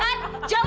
ampun t dewi